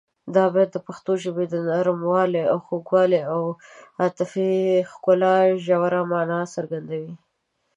دا بیت د پښتو ژبې د نرموالي، خوږوالي او عاطفي ښکلا ژوره مانا څرګندوي.